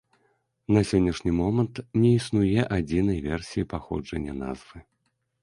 На сённяшні момант не існуе адзінай версіі паходжання назвы.